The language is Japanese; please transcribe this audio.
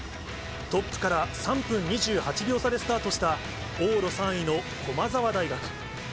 トップから３分２８秒差でスタートした往路３位の駒澤大学。